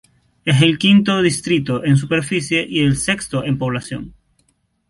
Es el quinto distrito en superficie y el sexto en población.